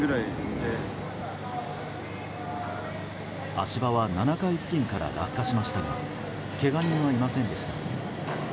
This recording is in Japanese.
足場は７階付近から落下しましたがけが人はいませんでした。